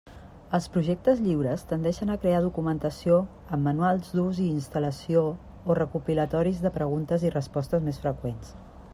Els projectes lliures tendeixen a crear documentació amb manuals d'ús i instal·lació o recopilatoris de preguntes i respostes més freqüents.